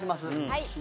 はい。